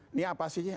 ini apa sih